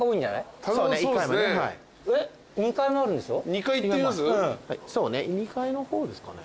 ２階行ってみます？